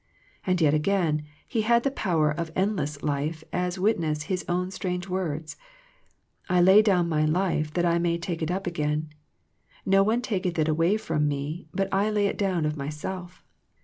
And yet again, He had the power of endless life as witness His own strange words, " I lay down My life, that I may take it again. Ko one taketh it away from Me, but I lay it down of Myself.